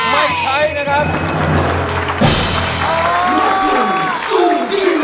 ไม่ใช้นะครับ